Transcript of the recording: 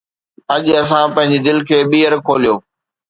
اڄ اسان پنهنجي دل کي ٻيهر کوليو